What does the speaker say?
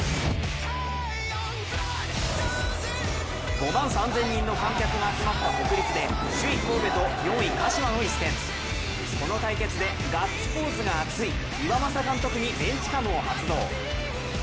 ５万３０００人の観客が集まった国立で首位・神戸と４位、鹿島の一戦この対決でガッツポーズが熱い岩政監督にベンチＣＡＭを発動。